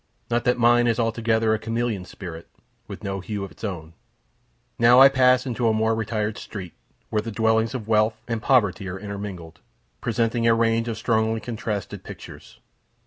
Not that mine is altogether a chameleon spirit, with no hue of its own. Now I pass into a more retired street, where the dwellings of wealth and poverty are intermingled, presenting a range of strongly contrasted pictures.